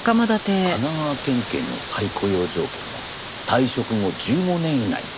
「神奈川県警の再雇用条件が退職後１５年以内」。